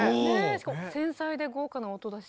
しかも繊細で豪華な音だし。